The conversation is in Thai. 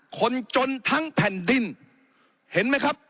คนจนทั้งแผ่นดินเห็นไหมครับ